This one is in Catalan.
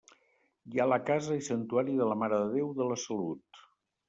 Hi ha la casa i santuari de la Mare de Déu de la Salut.